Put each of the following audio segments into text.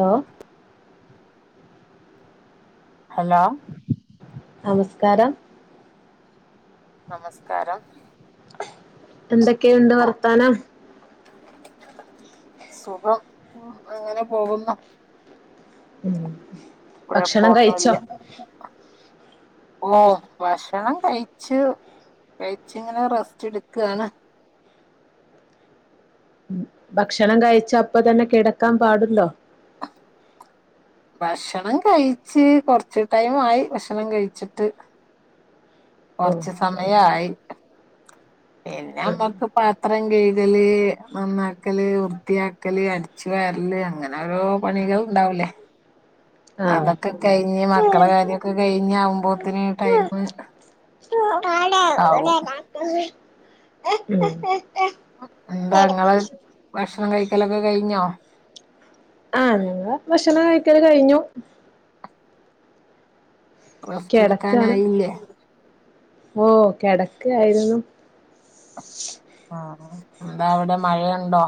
Law hello നമസ്കാരം നമസ്കാരം [unintelligible] എന്തൊക്കെയുണ്ട് വർത്താനം സുഖം ഉം അങ്ങനെ പോകുന്നു. ഉം കുഴപ്പൊ ഭക്ഷണം കഴിച്ചോ ഒന്നുല്യ ഓ ഭക്ഷണം കഴിച്ചു കഴിച്ച് ഇങ്ങനെ റെസ്റ്റ് എടുക്കുകയാണ്. ഭക്ഷണം കഴിച്ച അപ്പതന്നെ കിടക്കാൻ പാടുണ്ടോ? ഭക്ഷണം കഴിച്ച് കൊറച്ച് ടൈം ആയി ഭക്ഷണം കഴിച്ചിട്ട് ഓ കൊർച്ച് സമയായി പിന്നമ്മക്ക് പാത്രം കഴ്കല് നന്നാക്കല് വൃത്തിയാക്കല് അടിച്ചു വാരല് അങ്ങനെ ന്നോരോ പണികളുണ്ടാവുലേ ആ ആഹ് അതൊക്കെ കഴിഞ്ഞ് മക്കള കാര്യൊക്കെ കഴിഞ്ഞ് ആകുമ്പോത്തിന് ടൈമ് ആവും. ആഹ് [unintelligible] [inaudible] എന്താ ഇങ്ങള് ഭക്ഷണം കഴിക്കലൊക്കെ കഴിഞ്ഞോ? ആഹ് ഇണ്ടാ ഭക്ഷണം കഴിക്കല് കഴിഞ്ഞു. റസ്റ്റ് കിടക്കാണ് എടുക്കാനായില്ലേ ഓ കിടക്കായിരുന്നു. എന്താ അവിടെ മഴയുണ്ടോ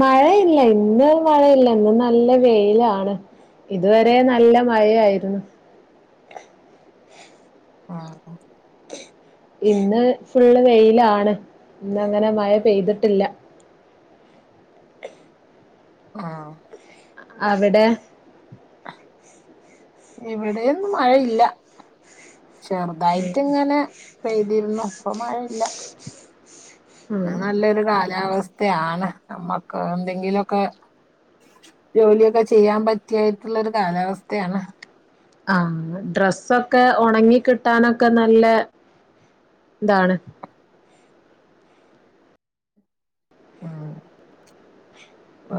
മഴയില്ല ഇന്ന് മഴയില്ല ഇന്ന് നല്ല വെയ്ലാണ് ഇതുവരെ നല്ല മഴയായിരുന്നു ആഹ ഇന്ന് ഫുള്ള് വെയിലാണ്. ഇന്നങ്ങനെ മഴ പെയ്തിട്ടില്ല ആഹ് അവിടെ ഇവിടെയൊന്നും മഴയില്ല. ചെർതായിട്ട്ങ്ങനെ പെയ്തിരുന്നു ഇപ്പൊ മഴയില്ല. ന്ന് ഉം നല്ലൊരു കാലാവസ്ഥയാണ്. നമ്മക്ക് എന്തെങ്കിലൊക്കെ ജോലിയൊക്കെ ചെയ്യാൻ പറ്റിയായിട്ടുള്ള ഒരു കാലാവസ്ഥയാണ് ആഹ് ഡ്രസ്സൊക്കെ ഉണങ്ങി കിട്ടാനൊക്കെ നല്ലെ. എന്താണ് മ്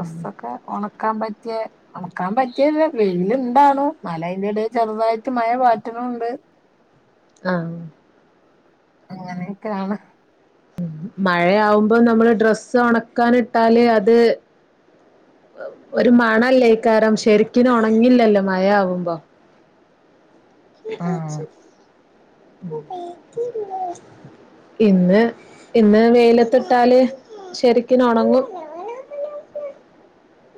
ഉം ഒണക്കാ പറ്റ്യേ ഒണക്കാൻ പറ്റിയല്ല വെയിലുണ്ടാണോ ന്നാൽ അതിന്റെട ചെറുതായിട്ട് മഴ പാറ്റണൂണ്ട് ആഹ് അങ്ങനെയൊക്കെയാണ് മഴയാവുമ്പം നമ്മള് ഡ്രസ്സ് ഉണക്കാനിട്ടാല് അത്. ഒരു മണല്ലേ ഈ കാരം ശരിക്കിന ഒണങ്ങില്ലല്ലോ മഴ ആവുമ്പോ ഉം [inaudible] ഇന്ന് ഇന്ന് വെയിലത്തിട്ടാല് ശരിക്കിന ഒണങ്ങും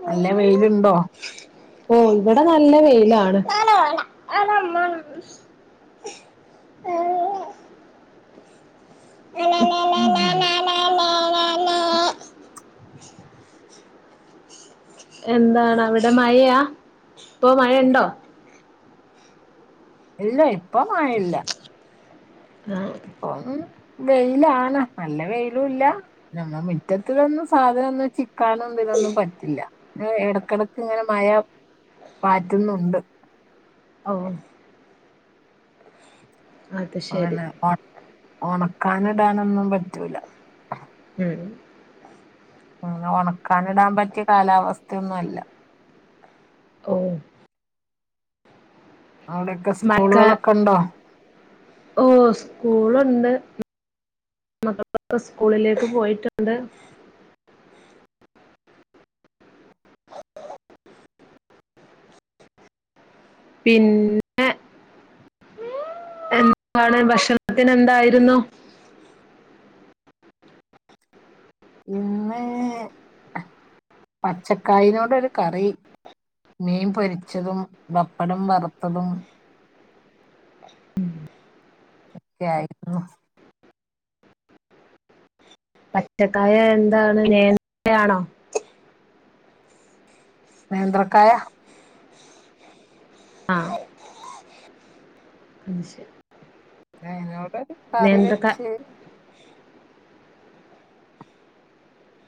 നല്ല വെയില്ണ്ടോ- ഓ ഇവിടെ നല്ല വെയിലാണ് [inaudible] [inaudible] എന്താണ് അവിടെ മഴയാ ഇപ്പൊ മഴയുണ്ടോ ഇല്ല ഇപ്പം മഴല്ല ആഹ് പ്പം വെയിലാണ്. നല്ല വെയിലുല്ല നമ്മ മിറ്റത്തിന്നും സാധനംന്ന് കാണ ഇതൊന്നും പറ്റില്ല ഏഹ് എടക്കെടക്ക് ഇങ്ങനെ മഴ പാറ്റുന്നുണ്ട് ഓഹ് അത് ശരി അങ്ങനെ ഒണ ഒണക്കാനിടാനൊന്നും പറ്റൂല. ഉം ഒന്നും ഒണക്കാനിടാൻ പറ്റിയ കാലാവസ്ഥയൊന്നും അല്ല ഓഹ് അവിടൊക്കെ മഴക്ക സ്കൂളുകളൊക്കെ ഇണ്ടോ ഓ സ്കൂളുണ്ട് മക്കളൊക്കെ സ്കൂളിലേക്ക് പോയിട്ടുണ്ട്. പിന്നെ എന്താണ് ഭക്ഷണത്തിനെന്തായിരുന്നു? ഇന്ന് പച്ചക്കായനോടൊരു കറി മീൻ പൊരിച്ചതും പപ്പടം വറുത്തതും [unintelligible] ഒക്കെ ആയിരിക്കുന്നു പറ്റക്കായ എന്താണ് നേ യാണോ? നേന്ത്രക്കായ ആഹ് [unintelligible] അയിനോട് ഒരു കറി നേന്ത്രക്ക വച്ച്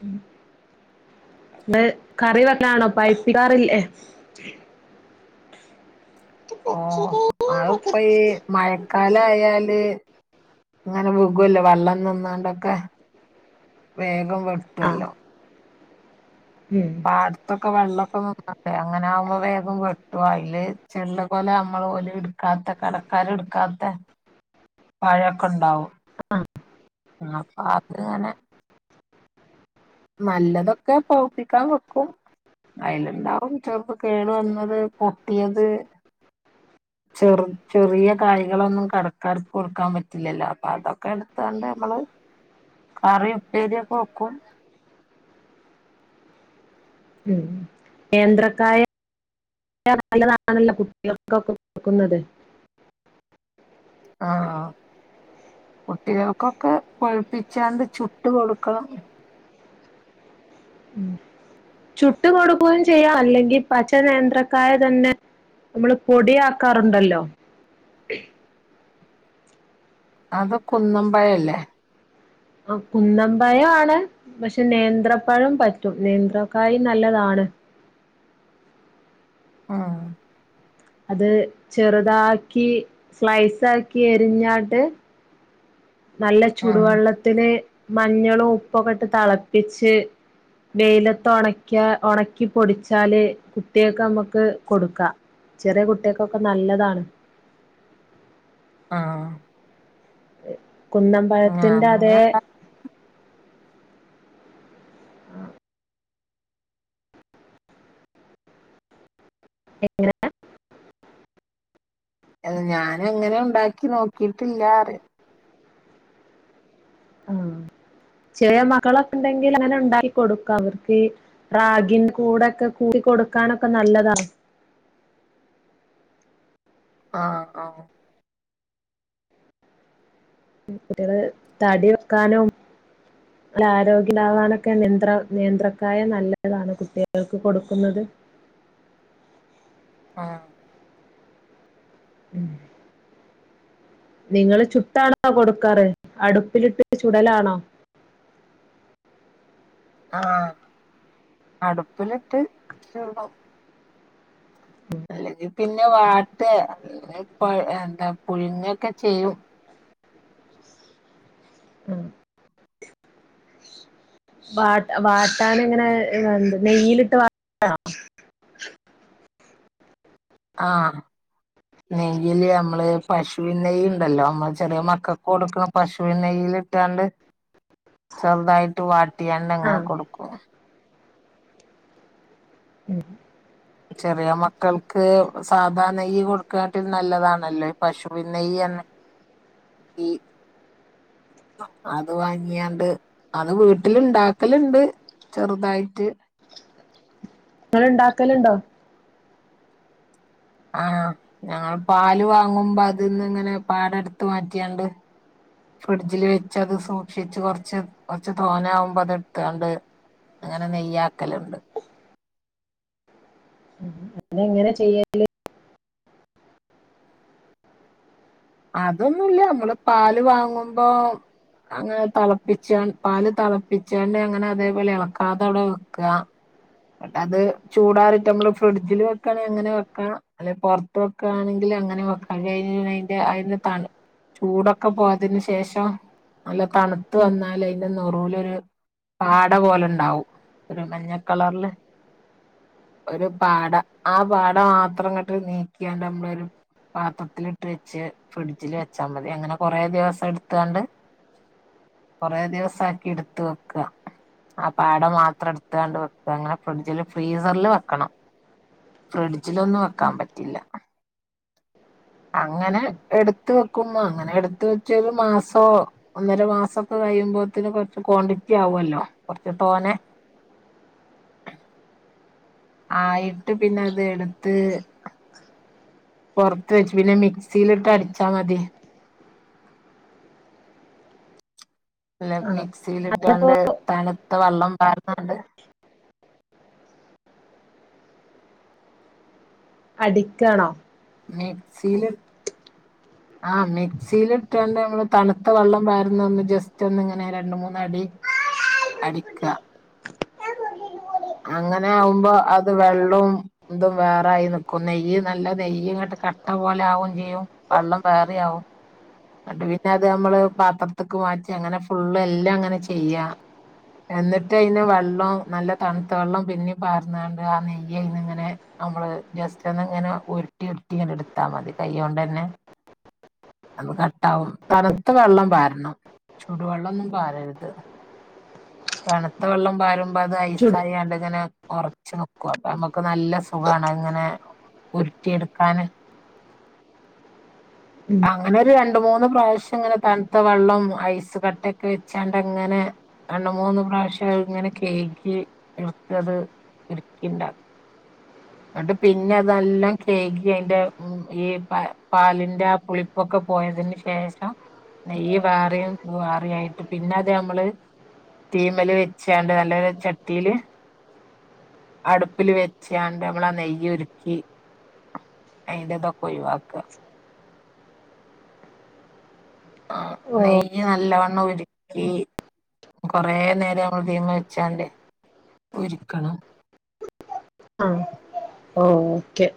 ഉം ത് കറി വെക്കാനാണോ പൈപ്പിക്കാറില്ലേ [unintelligible] അത്പ്പം ഈ മഴക്കാലം ആയാല് അങ്ങനെ വികോല്ലോ വെള്ളം നിന്നാണ്ടൊക്കെ വേഗം ആ വെട്ടുല്ലോ ഉം പാട് അത്തൊക്കെ വെള്ളമൊക്കെന്ന അങ്ങനെ ആവുമ്പോ വേഗം പെട്ടു അതില് ചെള്ള് പോലെ നമ്മള് പോലെ [unintelligible] കടക്കാരെടുക്കാത്തെ [inaudible] പഴയൊക്കെ ഉണ്ടാവും ആ അപ്പൊ അത്ങ്ങനെ നല്ലതൊക്കെ പൗപ്പിക്കാൻ വെക്കും അയ്ലിണ്ടാവും ചെലപ്പ കേട് വന്നത് പൊട്ടിയത് ചെറ് ചെറിയ കാര്യങ്ങളൊന്നും കടക്കാർക്ക് കൊടുക്കാ പറ്റില്ലല്ലോ അപ്പൊ അതൊക്കെ എട്ത്താണ്ട് ഞമ്മള് കറിയും ഉപ്പേരിയൊക്കെ വക്കും ഉം നേന്ത്രക്കായ നല്ലതാണല്ലോ കുട്ടികൾക്കൊക്കെ കൊടുക്കുന്നത് ആഹ്, കുട്ടികൾക്കൊക്കെ പഴുപ്പിച്ചാണ്ട് ചുട്ട് കൊടുക്കണം ഉം ചുട്ട് കൊടുക്കുകയും ചെയ്യാ, അല്ലെങ്കി പച്ച നേന്ത്രക്കായ തന്നെ നമ്മള് പൊടി ആക്കാറുണ്ടല്ലോ അത് കുന്നം പഴമല്ലേ ഒ കുന്നമ്പയം ആണ് പക്ഷെ നേന്ത്രപ്പഴം പറ്റും നേന്ത്രക്കായി നല്ലതാണ് ആഹ്. അത് ചെറുതാക്കി സ്ലൈസാക്കി എരിഞ്ഞാട്ട് നല്ല ഉം ചുടുവെള്ളത്തില് മഞ്ഞളും ഉപ്പൊക്കെ ഇട്ട് തളപ്പിച്ച് വെയിലത്ത് ഉണക്കാ ഉണക്കി പൊടിച്ചാല് കുട്ട്യാൾക്കെ നമുക്ക് കൊടുക്കാം ചെറിയ കുട്ട്യേക്കൊക്കെ നല്ലതാണ് ആഹ് കുന്നമ്പഴത്തിന്റെ അതേ ഞാനങ്ങനെ എങ്ങനെ അ ഞാന് അങ്ങനെ ഉണ്ടാക്കി നോക്കിയിട്ടില്ലറ ആഹ് ചെറിയ മകളൊക്കെണ്ടെങ്കിൽ അങ്ങനെ ഉണ്ടാക്കി കൊട്ക്ക അവർക്ക് റാഗിന് കൂടെക്കെ കൂട്ടി കൊടുക്കാനൊക്കെ നല്ലതാ ആഹ് ആഹ് കുട്ടികള് തടി വെക്കാനും നല്ല ആരോഗ്യം ഇണ്ടാവനൊക്കെ നേന്ത്ര നേന്ത്രക്കായ നല്ലതാണോ കുട്ട്യേൾക്ക് കൊടുക്കുന്നത് ആഹ് ഉം [unintelligible] നിങ്ങള് ചുട്ടാണോ കൊടുക്കാറ് അടുപ്പിലിട്ട് ചുടലാണോ ആഹ് അടുപ്പില്ട്ട് ചുടും അല്ലെങ്കി പിന്നെ വാട്ടെ അല്ലേ പ എന്താ പുഴുങ്ങൊക്കെ ചെയ്യും ആഹ് വാ വാട്ടാന്ങ്ങനെ എന്ത നെയ്യിലിട്ട് വാട്ടീണോ ആഹ് നെയ്യില് നമ്മള് പശുവിന് നെയ്യ്ണ്ടല്ലോ നമ്മള് ചെറിയ മക്കക്ക് കൊട്ക്ക്ണ പശുവിന് നെയ്യില് ക്കാണ്ട് [inaudible] ചെറ്തായിട്ട് വാട്ടിയാണ്ട് ആ അങ്ങനെ കൊടുക്കും ഉം ചെറിയ മക്കൾക്ക് സാധാ നെയ്യ് കൊടുക്കാട്ടിൽ നല്ലതാണല്ലോ ഈ പശുവിൻ നെയ്യന്നെ [inaudible] ഈ അത് വാങ്ങിയാണ്ട് അത് വീട്ടില് ഇണ്ടാക്കല്ണ്ട് ചെറ്തായിട്ട് ങ്ങളിണ്ടാക്കലുണ്ടോ ആഹാ ഞങ്ങൾ പാല് വാങ്ങുമ്പോ അതിന്ന്ങ്ങനെ പാട എടുത്ത് മാറ്റിയണ്ട് ഫ്രിഡ്ജില് വെച്ച് അത് സൂക്ഷിച്ച് കൊറച്ച് കൊറച്ച് തോനാവുമ്പോ അത് ഇട്ത്താണ്ട് അങ്ങനെ നെയ്യാക്കലുണ്ട് അതെങ്ങനെ ചെയ്യല് അതൊന്നുല്ല്യ അമ്മള് പാല് വാങ്ങുമ്പോ അങ്ങന തിളപ്പിച്ചൺ പാല് തിളപ്പിച്ചണ്ട് അങ്ങനെ അതേപോലെ എളക്കാതെ അവിടെ വെക്ക്വാ ഇങ്ങട്ടത് ചൂടാറിട്ട്മ്മള് ഫ്രിഡ്ജില് വെക്കാണെങ്കി അങ്ങനെ വെക്കാ അല്ലെ പൊറത്ത് വെക്കാണെങ്കിൽ അങ്ങനിം വെക്ക അയിന് അയിന്റെ അയിന്റെ തണ് ചൂടൊക്കെ പോയതിന് ശേഷം നല്ല തണുത്ത് വന്നാലയിന്റനെറോലൊരു പാട പോലുണ്ടാവും ഒരു മഞ്ഞക്കളറില് ഒരു പാട ആ പാട മാത്രം കട്ട് നീക്കിയാണ്ട് അമ്മളൊരു പാത്രത്തിലിട്ട് വെച്ച് ഫ്രിഡ്ജില് വെച്ചാ മതി അങ്ങനെ കൊറെ ദിവസം എടുത്താണ്ട് കൊറേ ദിവസാക്കി എടുത്ത് വെക്ക്വാ ആ പാട മാത്രം എടുത്താണ്ട് വെക് പ്പ അങ്ങന ഫ്രിഡ്ജില് ഫ്രീസറില് വെക്കണം ഫ്രിഡ്ജിലൊന്നു വെക്കാൻ പറ്റില്ല അങ്ങനെ എട്ത്ത് വെക്കുന്ന അങ്ങനെ എട്ത്ത് വെച്ചോരു മാസോ ഒന്നര മാസോക്ക കഴിയുമ്പോത്തിന് കുറച്ച് ക്വാണ്ടിറ്റി ആവോല്ലോ കുറച്ച് തോനെ ആയിട്ട് പിന്നെ അത് എട്ത്ത് പൊറത്ത് വെച്ചു പിന്നെ മിക്സിയിലിട്ട് അടിച്ചാ മതി ല്ലെ ആ അതിപ്പോ മിക്സിലിട്ടാണ്ട് തണുത്ത വള്ളം വാറുന്നുണ്ട് പഠിക്കാണോ മിക്സീല് [inaudible] ആ മിക്സിലിട്ടൊണ്ട് മ്മള് തണുത്ത വള്ളം വരുന്ന ഒന്ന് ജസ്റ്റ് ഒന്നിങ്ങനെ രണ്ടുമൂന്നടി അടിക്കാ അങ്ങനെ ആവുമ്പ അത് വെള്ളോം ന്തു വേറായി നിക്കും നെയ്യ് നല്ല നെയ്യിങ്ങട്ട് കട്ട പോലെ ആവോം ചെയ്യും വള്ളം ബേറിയാവും ന്നട്ട് പിന്നെ അത് അമ്മള് പാത്രത്ത്ക്ക് മാറ്റി അങ്ങനെ ഫുള്ള് എല്ലാം അങ്ങനെ ചെയ്യാ എന്നിട്ട് അയിന് വള്ളും നല്ല തണ്ത്ത വെള്ളം പിന്നിം പാർന്നാണ്ട് ആ നെയ്യ് അയിന്ന്ങ്ങനെ അമ്മള് ജസ്റ്റ് ന്ന് ഇങ്ങനെ ഉരുട്ടി ഉരുട്ടി ഇങ്ങനെടുത്താ മതി കയ്യൊണ്ടന്നെ അത് കട്ടാവും തണുത്ത വെള്ളം ബാരണം ചുടുവെള്ളൊന്നും പാരരുത് തണുത്ത വെള്ളം പാരും ബത് ചുട് ഐസായണ്ടിങ്ങനെ കൊറ ച്ച് നൊക്ക്വാ പ്പമ്മക്ക് നല്ല സുഖാണ് ഇങ്ങനെ ഉരുട്ടിയെടുക്കാന് ഉം അങ്ങനെ ഒരു രണ്ട് മൂന്ന് പ്രാവശ്യം ഇങ്ങനെ തൺത്ത വെള്ളോം ഐസ് കട്ടെക്കെ വെച്ചാണ്ട് അങ്ങനെ രണ്ട് മൂന്ന് പ്രാവശ്യം ഇങ്ങനെ കേയ്കി [unintelligible] ഇൻക്കിണ്ടേ ന്നിട്ട് പിന്നതെല്ലാം കെഴ്കി അയിന്റെ ഈ പ പാലിന്റെ പുളിപ്പൊക്കെ പോയതിന് ശേഷം നെയ് വാറിയും വാറായിട്ട് പിന്നെ അതെ നമ്മള് തീമല് വെച്ചാണ്ട് നല്ലൊരു ചട്ടീല് അടുപ്പില് വെച്ചാണ്ട് നമ്മള ആ നെയ് ഉരുക്കി അയിന്റേതൊക്കയുവാക്ക ആ നെയ് നെയ് നല്ലോണ്ണം ഉരുക്കി കൊറേ നേരം നമ്മള് ഇതീമെ വെച്ചാന്റെ ഉര്ക്കണം ആഹ് ഓ ഓക്കെ